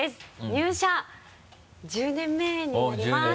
入社１０年目になります。